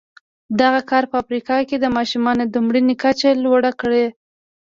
دغه کار په افریقا کې د ماشومانو د مړینې کچه لوړه کړې.